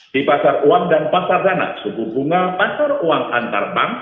di pasar uang dan pasar tanah suku bunga pasar uang antar bank